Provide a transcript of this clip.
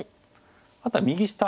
あとは右下。